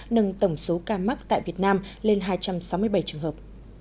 nâng tổng số ca mắc tại việt nam lên hai trăm sáu mươi bảy trường hợp